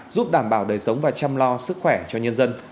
giúp đảm bảo đời sống và chăm lo sức khỏe cho nhân dân